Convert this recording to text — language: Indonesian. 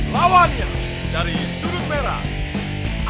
lawannya dari duduk merah